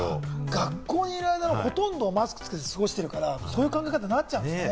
学校にいる間はほとんどマスクをつけて過ごしてるから、そういう考え方になっちゃうんですね。